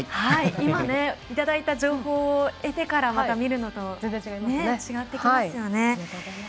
今いただいた情報を得てから見るのと違ってきますよね。